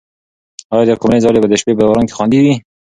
آیا د قمرۍ ځالۍ به د شپې په باران کې خوندي وي؟